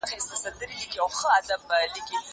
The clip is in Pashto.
زه سفر نه کوم!؟